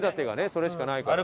それしかないから。